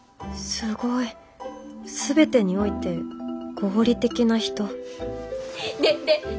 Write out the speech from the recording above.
すごい全てにおいて合理的な人ででどうなの？